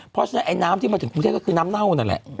เพราะฉะนั้นไอ้น้ำที่มาถึงกรุงเทพก็คือน้ำเน่านั่นแหละ